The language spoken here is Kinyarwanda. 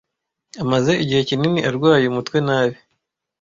Amaze igihe kinini arwaye umutwe nabi.